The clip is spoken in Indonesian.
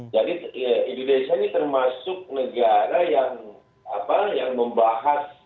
jadi indonesia ini termasuk negara yang membahas